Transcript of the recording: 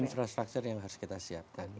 infrastruktur yang harus kita siapkan